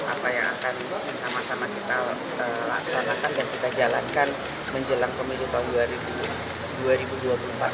apa yang akan sama sama kita laksanakan dan kita jalankan menjelang pemilu tahun dua ribu dua puluh empat ini